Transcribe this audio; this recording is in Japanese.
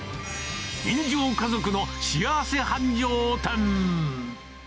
人情家族の幸せ繁盛店。